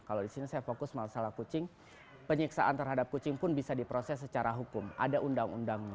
kalau di sini saya fokus masalah kucing penyiksaan terhadap kucing pun bisa diproses secara hukum ada undang undangnya